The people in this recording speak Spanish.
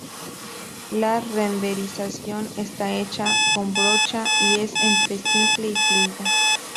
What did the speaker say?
La renderización está hecha con brocha y es entre simple y fluida.